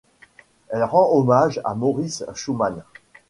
Elle rend hommage à Maurice Schumann.